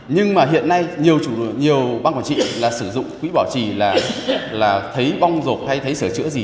nhưng mà hiện nay nhiều bán quản trị sử dụng quỹ bảo trì là thấy bong rộp hay thấy sửa chữa gì